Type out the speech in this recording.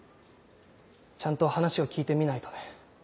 ちゃんと話を聞いてみないとね。